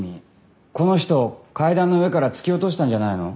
この人を階段の上から突き落としたんじゃないの？